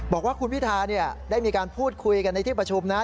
บอกว่าคุณพิธาเนี่ยได้มีการพูดคุยกันในที่ประชุมนะ